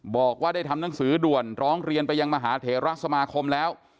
บอกว่าได้ทำหนังสือด่วนร้องเรียนไปยังมหาเถระสมาคมแล้ว